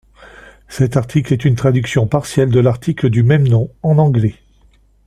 Cet article est une traduction partielle de l'article du même nom en anglais.